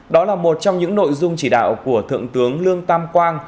đó là một trong những nội dung chỉ đạo của thượng tướng lương tam quang